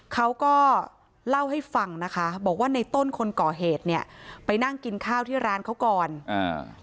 เขาก็เล่าให้ฟังนะคะบอกว่าในต้นคนก่อเหตุเนี่ยไปนั่งกินข้าวที่ร้านเขาก่อนอ่า